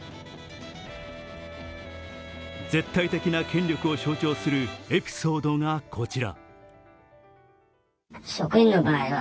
絶対的な権力を象徴するエピソードがこちら。